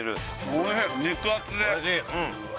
おいしい肉厚で・うわ